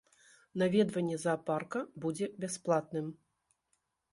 Наведванне заапарка будзе бясплатным.